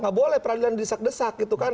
gak boleh peradilan didesak desak gitu kan